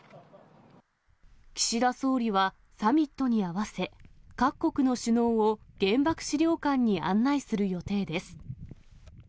岸田総理は、サミットに合わせ、各国の首脳を原爆資料館に案内する予定です。